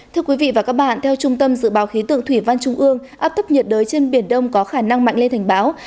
thưa quý vị và các bạn theo trung tâm dự báo khí tượng thủy văn trung ương áp thấp nhiệt đới trên biển đông có khả năng mạnh lên thành báo